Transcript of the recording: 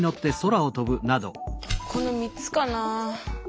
この３つかな。